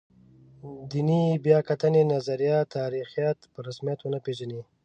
دیني بیا کتنې نظریه تاریخیت په رسمیت ونه پېژني.